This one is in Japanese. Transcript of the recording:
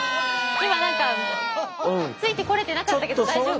今何かついてこれてなかったけど大丈夫？